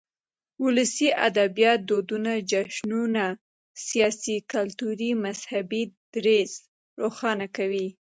ولسي ادبيات دودنه، جشنونه ،سياسي، کلتوري ،مذهبي ، دريځ روښانه کوي.